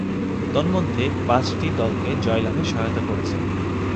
তন্মধ্যে পাঁচটি দলকে জয়লাভে সহায়তা করেছে।